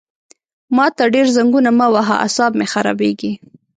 ما ته ډېر زنګونه مه وهه عصاب مې خرابېږي!